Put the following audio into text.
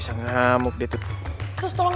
sampai jumpa lagi